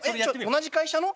同じ会社の。